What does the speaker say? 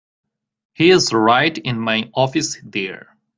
He's right in my office there.